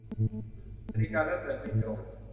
นาฬิกาเริ่มเดินไม่ตรง